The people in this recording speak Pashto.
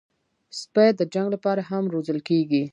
سپي د جنګ لپاره هم روزل کېږي.